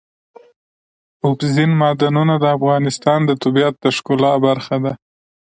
اوبزین معدنونه د افغانستان د طبیعت د ښکلا برخه ده.